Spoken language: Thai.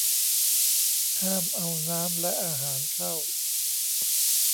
ห้ามเอาน้ำและอาหารเข้า